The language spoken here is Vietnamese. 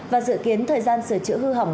và dự kiến thời gian sửa chữa hư hỏng